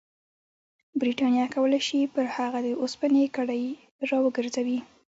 برټانیه کولای شي پر هغه د اوسپنې کړۍ راوګرځوي.